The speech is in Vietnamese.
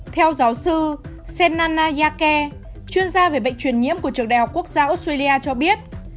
theo giáo sư sen nannayake chuyên gia về bệnh truyền nhiễm của trường đại học quốc gia australia cho biết